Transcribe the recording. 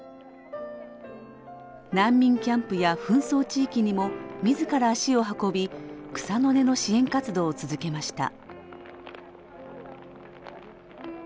難民キャンプや紛争地域にも自ら足を運び草の根の支援活動を続けました。